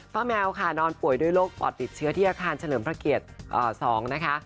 แมวค่ะนอนป่วยด้วยโรคปอดติดเชื้อที่อาคารเฉลิมพระเกียรติ๒นะคะ